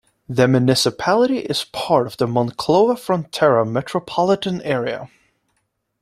The municipality is part of the Monclova-Frontera metropolitan area.